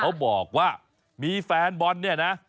เขาบอกว่ามีแฟนบอลเนี่ยนะ